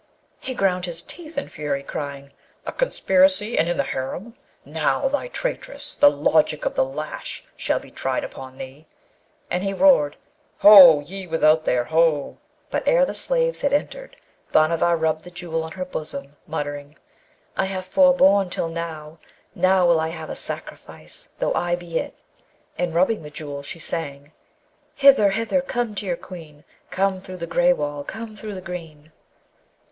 He ground his teeth in fury, crying, 'A conspiracy! and in the harem! Now, thou traitress! the logic of the lash shall be tried upon thee.' And he roared, 'Ho! ye without there! ho!' But ere the slaves had entered Bhanavar rubbed the Jewel on her bosom, muttering, 'I have forborne till now! Now will I have a sacrifice, though I be it.' And rubbing the Jewel, she sang, Hither! hither! Come to your Queen; Come through the grey wall, Come through the green!